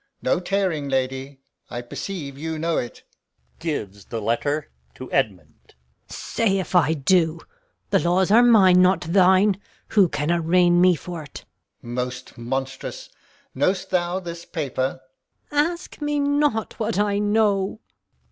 No tearing, lady! I perceive you know it. Gon. Say if I do the laws are mine, not thine. Who can arraign me for't? Alb. Most monstrous! Know'st thou this paper? Gon. Ask me not what I know.